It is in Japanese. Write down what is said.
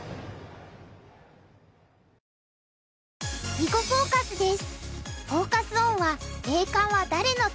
「囲碁フォーカス」です。